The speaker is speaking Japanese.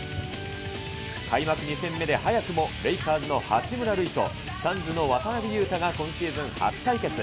開幕２戦目で早くもレイカーズの八村塁と、サンズの渡邊雄太が今シーズン初対決。